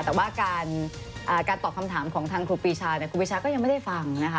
แต่ว่าการตอบคำถามของทางครูปีชาครูปีชาก็ยังไม่ได้ฟังนะคะ